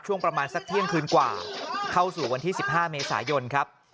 ช่วงประมาณสักเที่ยงคืนกว่าเข้าสู่วันที่๑๕เมษายนครับ